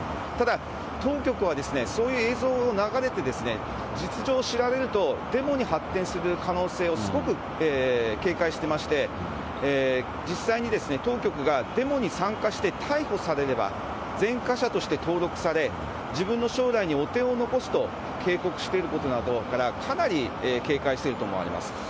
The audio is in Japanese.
ただ当局は、そういう映像を流れて、実情を知られると、デモに発展する可能性をすごく警戒してまして、実際に当局がデモに参加して逮捕されれば、前科者として登録され、自分の将来に汚点を残すと警告していることなどから、かなり警戒していると思われます。